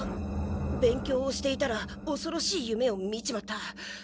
勉強をしていたらおそろしい夢を見ちまった。